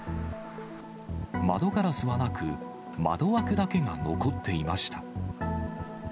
窓ガラスはなく、窓枠だけが残っていました。